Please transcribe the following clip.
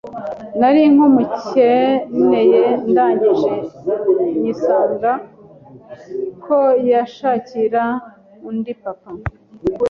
nari nkimukeneye ndangije nyisaba ko yanshakira undi papa